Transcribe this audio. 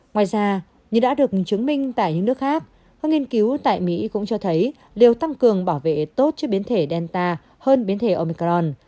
ngoài ra như đã được chứng minh tại những nước khác các nghiên cứu tại mỹ cũng cho thấy đều tăng cường bảo vệ tốt cho biến thể delta hơn biến thể omicron